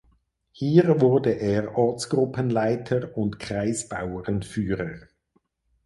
Hier wurde er Ortsgruppenleiter und Kreisbauernführer.